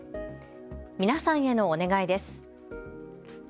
皆さんへのお願いです。